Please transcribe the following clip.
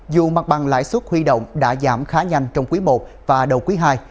dù mặt bằng lãi suất huy động đã giảm khá nhanh trong quý i và đầu quý ii